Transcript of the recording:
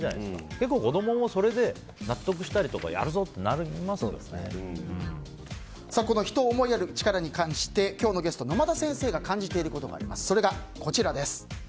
結構、子供もそれで納得したりとか人を思いやる力に関して今日のゲストの沼田先生が感じてることがこちら。